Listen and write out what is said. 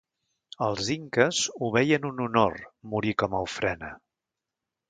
El inques ho veien un honor morir com a ofrena.